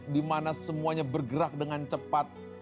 dimana semuanya bergerak dengan cepat